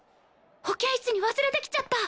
保健室に忘れてきちゃった！